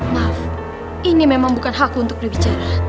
maaf ini memang bukan hakku untuk berbicara